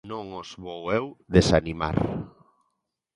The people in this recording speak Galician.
Non os vou eu desanimar.